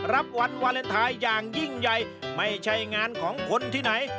รับวันวาเลนไทยอย่างยิ่งใหญ่ไม่ใช่งานของคนที่ไหน